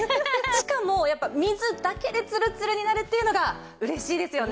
しかもやっぱ水だけでつるつるになるっていうのが嬉しいですよね。